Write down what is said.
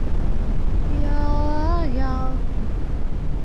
波尔托罗是位于斯洛维尼亚西南部的一座滨海城市。